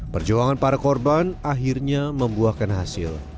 perjuangan para korban akhirnya membuahkan hasil